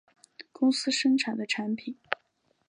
公司生产的产品